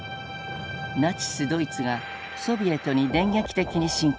ナチス・ドイツがソビエトに電撃的に侵攻。